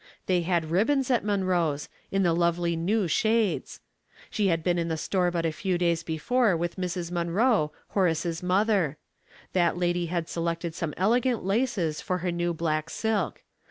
They had ribbons at Munroe's, in the lovely new shades. She had been in the store but a few days before with Mrs. Munroe, Horace's mother. That lady had selected some elegant laces for her new black silk.